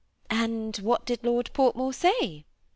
" And what did Lord Portmore say